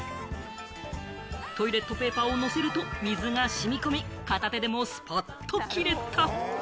トイレットペーパーを乗せると水が染み込み、片手でもスパッと切れた。